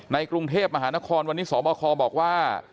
กรุงเทพมหานครวันนี้สบคบอกว่า